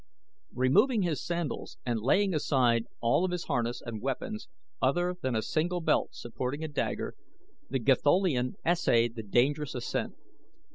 Removing his sandals and laying aside all of his harness and weapons other than a single belt supporting a dagger, the Gatholian essayed the dangerous ascent.